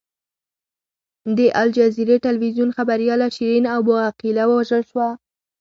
د الجزیرې ټلویزیون خبریاله شیرین ابو عقیله ووژل شوه.